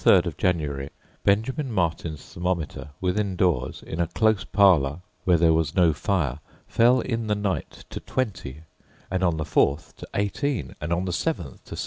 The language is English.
On the 3d of January, Benjamin Martin's thermometer within doors, in a close parlour where there was no fire, fell in the night to 20, and on the 4th to 18, and the 7th to 17.